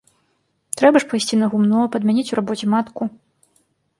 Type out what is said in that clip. Трэба ж пайсці на гумно, падмяніць у рабоце матку.